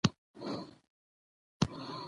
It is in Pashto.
ماشومان د تشویق له لارې لا ښه پرمختګ کوي